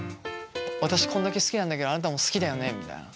私こんだけ好きなんだけどあなたも好きだよねみたいな。